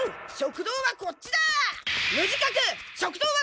食堂はこっちだ！